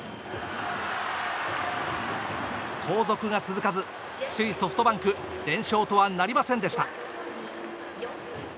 後続が続かず、首位ソフトバンク連勝とはなりませんでした。